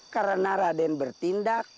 karena raden bertindak